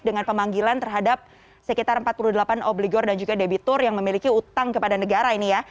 dengan pemanggilan terhadap sekitar empat puluh delapan obligor dan juga debitur yang memiliki utang kepada negara ini ya